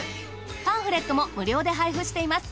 パンフレットも無料で配布しています。